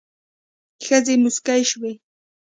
ښځې موسکې شوې.